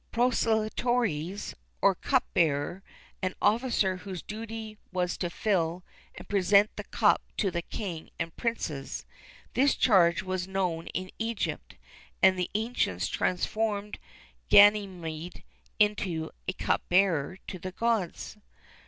Procillatores, or cup bearer, an officer whose duty was to fill and present the cup to the king and princes. This charge was known in Egypt, and the ancients transformed Ganymede into a cup bearer to the gods.